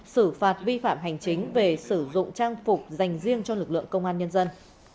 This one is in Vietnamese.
xử phạt vi phạm hành chính về sử dụng trang phục dành riêng cho lực lượng công an nhân dân